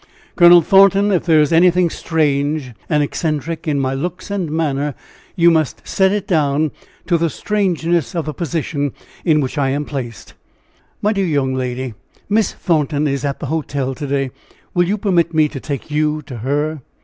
"Colonel Thornton, if there is anything strange and eccentric in my looks and manner, you must set it down to the strangeness of the position in which I am placed." "My dear young lady, Miss Thornton is at the hotel to day. Will you permit me to take you to her?"